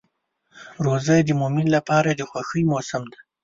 روژه د مؤمن لپاره د خوښۍ موسم دی.